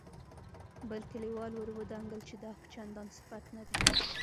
بل کليوال ور ودانګل چې دا خو چندان صفت نه دی.